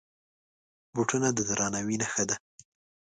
بوټونه د درناوي نښه ده.